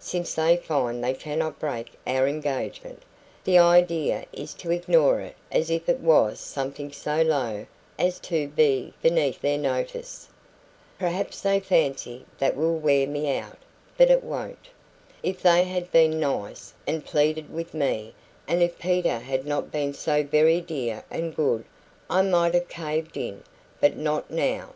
Since they find they cannot break our engagement, the idea is to ignore it as if it was something so low as to be beneath their notice. Perhaps they fancy that will wear me out; but it won't.... If they had been nice, and pleaded with me, and if Peter had not been so VERY dear and good, I might have caved in; but not now.